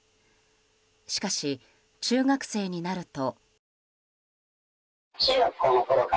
しかし、中学生になると。